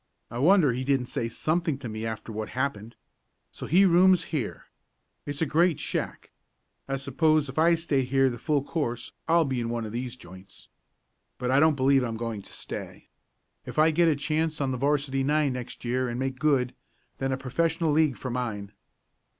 "I wonder he didn't say something to me after what happened. So he rooms here? It's a great shack. I suppose if I stay here the full course I'll be in one of these joints. But I don't believe I'm going to stay. If I get a chance on the 'varsity nine next year and make good then a professional league for mine."